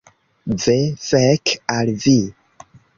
Ve, fek al vi!